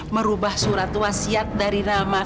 merubah surat wasiat dari ramah